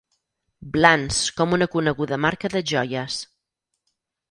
Blans com una coneguda marca de joies.